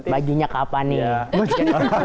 bajunya kapan nih